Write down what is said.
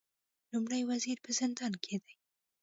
لومړی وزیر په زندان کې دی